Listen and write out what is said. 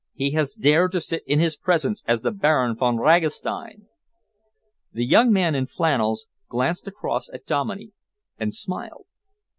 He has dared to sit in his presence as the Baron Von Ragastein!" The young man in flannels glanced across at Dominey and smiled.